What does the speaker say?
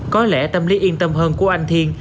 có lẽ tâm lý yên tâm hơn của anh thiên